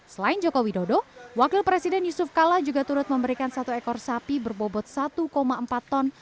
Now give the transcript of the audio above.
selain joko widodo wakil presiden yusuf kala juga turut memberikan satu ekor sapi berbobot satu empat ton